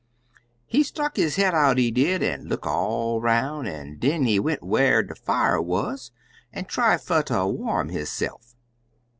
He stuck his head out, he did, an' look all 'roun', an' den he went whar de fier wuz an' try fer ter warm hisse'f.